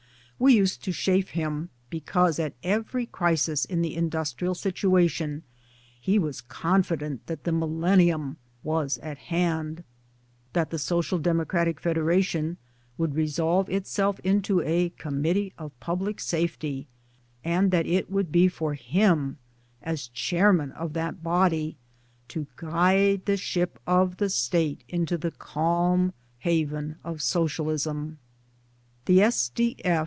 iWe used to chaff him because at every crisis in the industrial situation he was confident that the Millennium; was at hand that the S.D.F. would resolve itself into a Committee of Public Safety, and that it would be for him as Chairman of that body to guide the ship of the State into the calm haven of Socialisiri ! The S.F.